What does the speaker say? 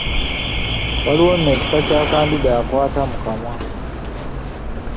Waliwo nno ekika kya kandida akwata mu kamwa.